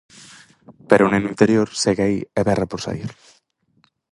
Pero o neno interior segue aí e berra por saír.